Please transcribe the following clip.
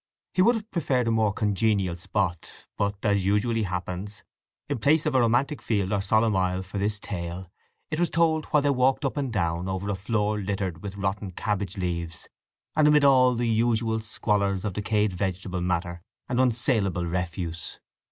He would have preferred a more congenial spot, but, as usually happens, in place of a romantic field or solemn aisle for his tale, it was told while they walked up and down over a floor littered with rotten cabbage leaves, and amid all the usual squalors of decayed vegetable matter and unsaleable refuse.